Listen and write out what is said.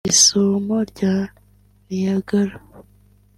Isumo rya Niagara